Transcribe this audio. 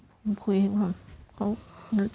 ผมคุยให้พ่อ